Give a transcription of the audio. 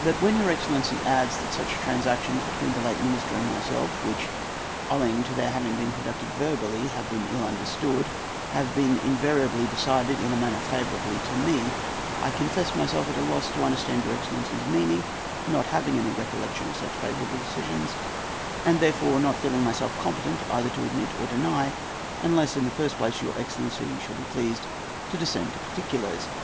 But when your excellency adds that those transactions between the late minister and myself, which, owing to their having been conducted verbally, have been ill understood, have invariably been decided in a manner favourable to me, I confess myself at a loss to understand your excellency's meaning, not having any recollection of such favourable decisions, and therefore not feeling myself competent either to admit or deny unless in the first place your excellency shall be pleased to descend to particulars.